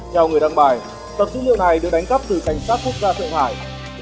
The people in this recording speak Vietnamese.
theo người đăng bài tập dữ liệu này được đánh cắp từ cảnh sát quốc gia thượng hải